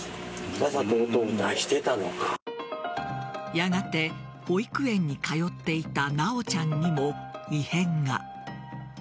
やがて保育園に通っていた修ちゃんにも異変が。